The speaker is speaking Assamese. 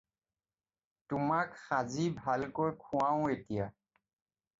তোমাক সাঁজি ভালকৈ খুৱাওঁ এতিয়া।